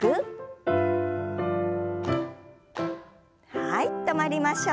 はい止まりましょう。